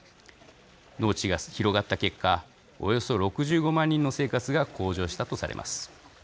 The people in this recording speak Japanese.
農地が広がった結果およそ６５万人の生活が向上したとされます。